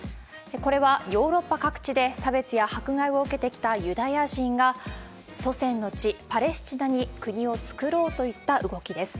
これはヨーロッパ各地で差別や迫害を受けてきたユダヤ人が、祖先の地、パレスチナに国を造ろうといった動きです。